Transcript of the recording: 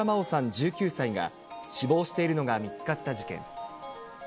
１９歳が、死亡しているのが見つかった事件。